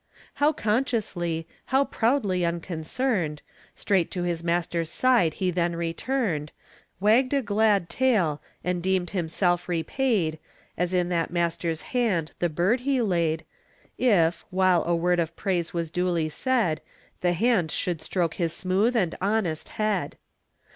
How consciously, how proudly unconcerned, Straight to his master's side he then returned, Wagged a glad tail, and deemed himself repaid As in that master's hand the bird he laid, If, while a word of praise was duly said, The hand should stroke his smooth and honest head.